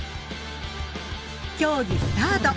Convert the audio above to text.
競技スタート！